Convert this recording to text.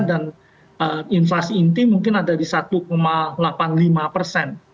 dan inflasi inti mungkin ada di satu delapan puluh lima persen